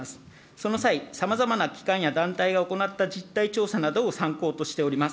その際、さまざまな機関や団体が行った実態調査などを参考としております。